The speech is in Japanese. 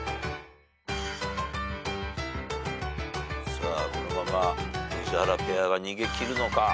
さあこのまま宇治原ペアが逃げ切るのか？